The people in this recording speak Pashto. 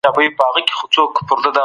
د جنایت سزا باید د جنایت سره برابره وي.